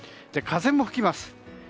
風も吹きます。